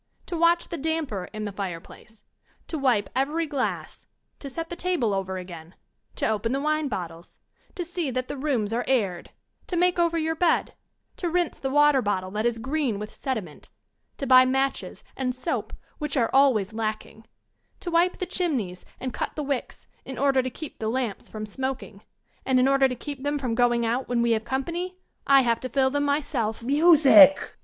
To watch the damper in the fireplace; to wipe every glass; to set the table over again; to open the wine bottles; to see that the rooms are aired; to make over your bed; to rinse the water bottle that is green with sedi ment; to buy matches and soap, which are always lacking; to wipe the chimneys and cut the wicks in order to keep the lamps from smoking and in order to keep them from going out when we have company, I have to fill them myself.